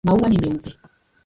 Maua ni meupe.